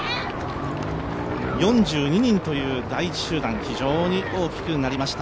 ４２人という大集団、非常に大きくなりました。